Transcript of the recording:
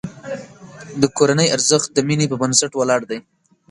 د کورنۍ ارزښت د مینې په بنسټ ولاړ دی.